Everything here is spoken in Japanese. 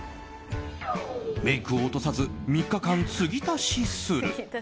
メイクを落とさず３日間継ぎ足しする。